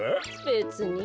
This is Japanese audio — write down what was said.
べつに。